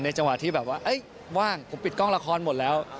จังหวะที่แบบว่าว่างผมปิดกล้องละครหมดแล้ว